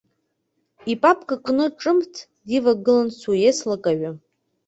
Ипапка кны ҿымҭ дивагылан сусеилкааҩ.